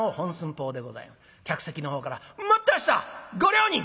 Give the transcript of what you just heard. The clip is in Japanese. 客席のほうから「待ってましたご両人！」